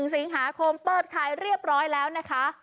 ๑สิงหาคมเปิดขายเรียบร้อยแล้วนะคะ